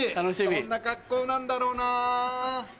どんな格好なんだろうな？